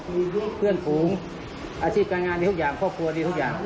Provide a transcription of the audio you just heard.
มีเพื่อนฝูงอาชีพการงานดีทุกอย่างครอบครัวดีทุกอย่าง